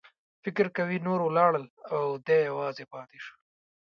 فکر کوي نور ولاړل او دی یوازې پاتې شو.